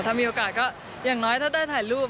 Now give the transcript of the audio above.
ถ้ามีโอกาสก็อย่างน้อยถ้าได้ถ่ายรูป